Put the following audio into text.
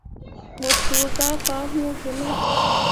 Mu coo zah fah hun gi me.